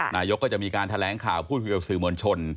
นายกก็จะมีการแถลงข่าวพูดคุยกับสื่อมวลชน